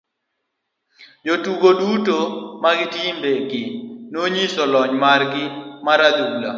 Jotugo duto mag timbe gi nonyiso lony mar gi mar adhula.